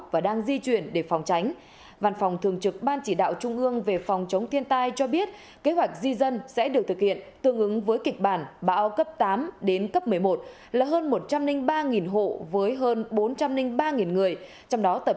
và đang di chuyển tránh hoặc thoát khỏi khu vực nguy hiểm